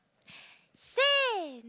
せの！